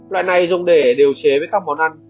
loại này dùng để điều chế với các món ăn